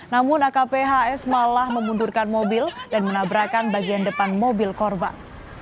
namun akp hs malah memundurkan mobil dan menabrakan bagian depan mobil korban